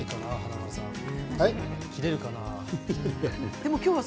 切れるかな？